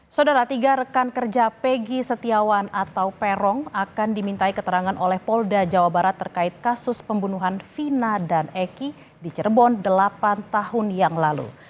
saudara tiga rekan kerja peggy setiawan atau peron akan dimintai keterangan oleh polda jawa barat terkait kasus pembunuhan vina dan eki di cirebon delapan tahun yang lalu